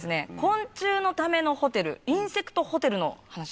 昆虫のためのホテルインセクトホテルの話なんですよ。